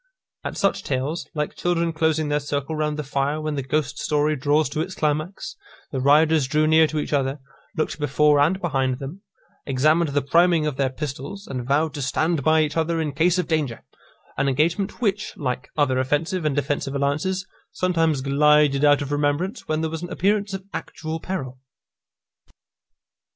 At such tales, like children closing their circle round the fire when the ghost story draws to its climax, the riders drew near to each other, looked before and behind them, examined the priming of their pistols, and vowed to stand by each other in case of danger; an engagement which, like other offensive and defensive alliances, sometimes glided out of remembrance when there was an appearance of actual peril.